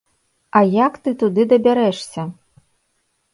А як ты туды дабярэшся?